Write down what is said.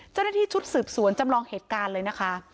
เจ้าหน้าที่ชุดสืบสวนจำลองเหตุการณ์เลยนะคะ